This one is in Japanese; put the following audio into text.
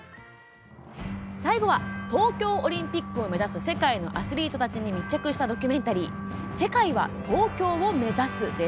最後は東京オリンピックを目指す世界のアスリートたちに密着したドキュメンタリー「世界はＴｏｋｙｏをめざす」。